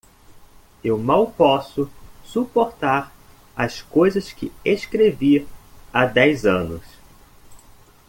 Eu mal posso suportar as coisas que escrevi há dez anos.